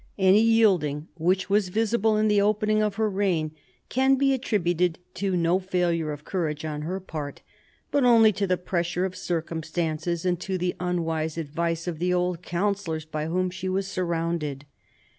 Any yielding which was visible in the opening of her reign can be attributed to no failure of courage on her part, but only to the pressure of circumstances and to the unwise advice of the old counsellors by whom she was surrounded.